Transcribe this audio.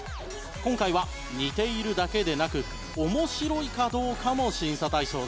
今回は似ているだけでなく面白いかどうかも審査対象です。